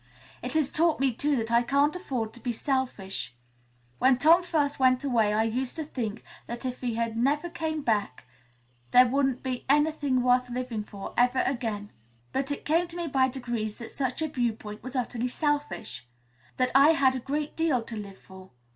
It has taught me, too, that I can't afford to be selfish. When Tom first went away I used to think that, if he never came back, there wouldn't be anything worth living for, ever again. But it came to me by degrees that such a viewpoint was utterly selfish; that I had a great deal to live for.